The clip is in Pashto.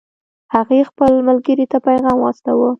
هغې خپل ملګرې ته پیغام واستاوه